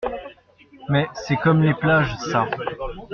Mais c’est comme les plages, ça.